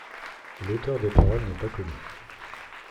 L'auteur des paroles n'est pas connu.